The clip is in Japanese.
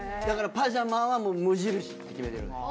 だからパジャマは無印って決めてる。